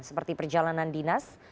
seperti perjalanan dinas